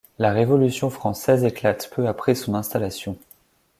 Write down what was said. La Révolution française éclate peu après son installation.